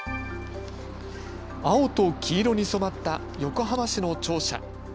青と黄色に染まった横浜市の庁舎。